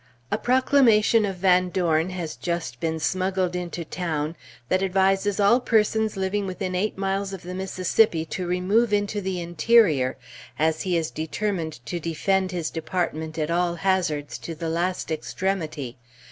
A proclamation of Van Dorn has just been smuggled into town, that advises all persons living within eight miles of the Mississippi to remove into the interior, as he is determined to defend his department at all hazards to the last extremity.